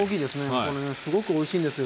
これねすごくおいしいんですよ。